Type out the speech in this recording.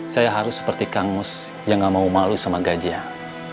saya harus seperti kang mus yang nggak mau malu sama gajah